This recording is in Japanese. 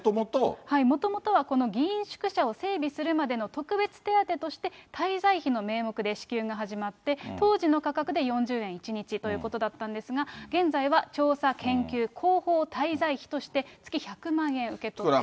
もともとはこの議員宿舎を整備するまでの特別手当として、滞在費の名目で支給が始まって、当時の価格で４０円１日ということだったんですが、現在は、調査研究広報滞在費として、月１００万円受け取っています。